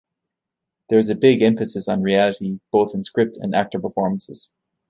There is a big emphasis on reality both in script and actor performances.